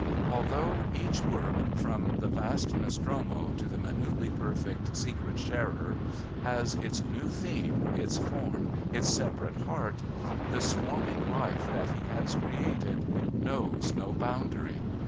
Although each work, from the vast Nostromo to the minutely perfect Secret Sharer, has its new theme, its form, its separate heart, the swarming life that he has created knows no boundary.